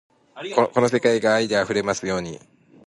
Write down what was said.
この世界が愛で溢れますように